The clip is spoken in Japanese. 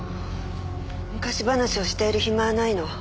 昔話をしている暇はないの。